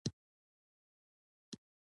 بېنډۍ د خولې خشکي کموي